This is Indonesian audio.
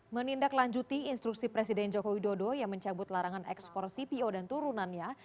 menindak lanjuti instruksi presiden jokowi dodo yang mencabut larangan ekspor cpo dan turunannya